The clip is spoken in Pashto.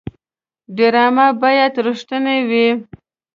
ډرامه باید رښتینې وي